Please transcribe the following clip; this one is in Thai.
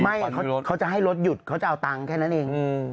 ไม่เขาจะให้รถหยุดเขาจะเอาตังค์แค่นั้นเอง